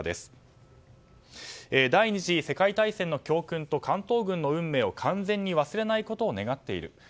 第２次世界大戦の教訓と関東軍の運命を完全に忘れないことを願っている。